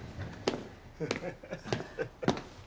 ハハハハ。